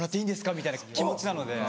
みたいな気持ちなので。